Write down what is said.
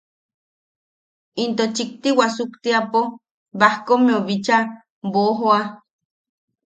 Into chikti wasuktiapo Bajkommeu bicha boʼojoa.